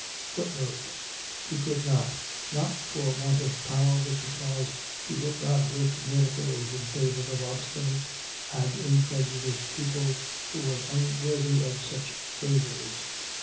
He could not. . .Not for want of power, but because he would not work miracles in favour of obstinate and incredulous people, who were unworthy of such favours.